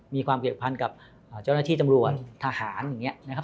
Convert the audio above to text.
มีความเกี่ยวพันกับเจ้าหน้าที่ตำรวจทหารอย่างนี้นะครับ